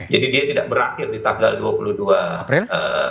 jadi dia tidak berakhir di tanggal dua puluh dua april